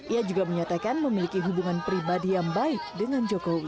ia juga menyatakan memiliki hubungan pribadi yang baik dengan jokowi